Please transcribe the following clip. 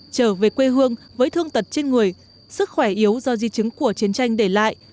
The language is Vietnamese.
trở về quê hương với thương tật trên người sức khỏe yếu do di chứng của chiến tranh để lại